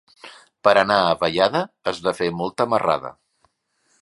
Per anar a Vallada has de fer molta marrada.